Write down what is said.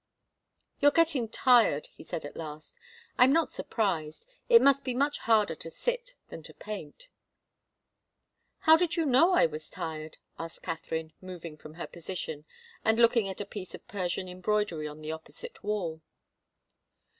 "You're getting tired," he said at last. "I'm not surprised. It must be much harder to sit than to paint." "How did you know I was tired?" asked Katharine, moving from her position, and looking at a piece of Persian embroidery on the opposite wall.